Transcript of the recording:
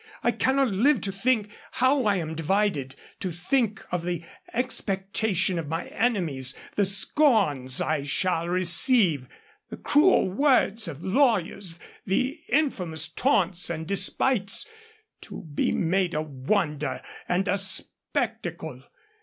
I cannot live to think how I am divided, to think of the expectation of my enemies, the scorns I shall receive, the cruel words of lawyers, the infamous taunts and despites, to be made a wonder and a spectacle!...